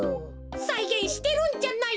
さいげんしてるんじゃない。